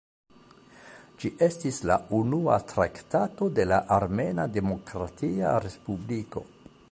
Ĝi estis la unua traktato de la Armena Demokratia Respubliko.